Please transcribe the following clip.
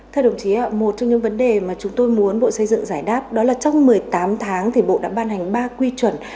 thưa đồng chí một trong những vấn đề mà chúng tôi muốn bộ xây dựng giải đáp đó là trong một mươi tám tháng thì bộ đã ban hành ba quy chuẩn